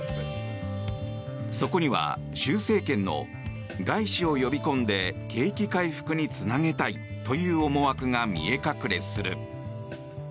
そこには、習政権の外資を呼び込んで景気回復につなげたいという思惑が見え隠れする。